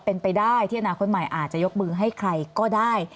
เป็นไปได้ที่อนาคตใหม่อาจจะยกมือให้ใครก็ได้